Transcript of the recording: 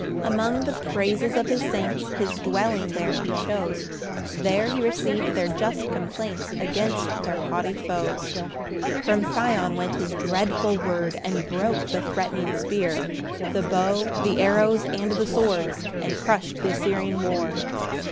2 Among the praises of his saints His dwelling there he chose; There he receiv'd their just complaints Against their haughty foes. 3 From Sion went his dreadful word, And broke the threatening spear; The bow, the arrows, and the sword, And crush'd th' Assyrian war.